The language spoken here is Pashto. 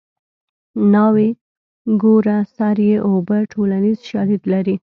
ناوې ګوره سر یې اوبه ټولنیز شالید لري